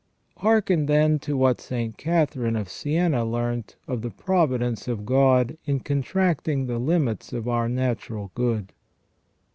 Hearken, then, to what St. Catherine of Sienna learnt of the providence of God in con tracting the limits of our natural good.